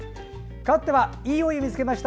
かわっては「＃いいお湯見つけました」